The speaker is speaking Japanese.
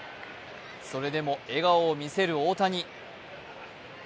それでも笑顔を見せる大谷。